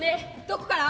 どこから？